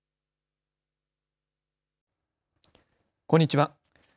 こんにちは。